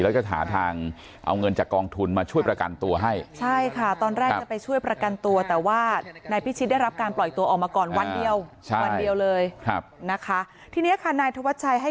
แล้วจะหาทางเอาเงินจากกองทุนมาช่วยประกันตัวให้ใช่ค่ะ